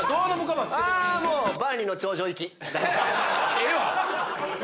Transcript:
ええわ。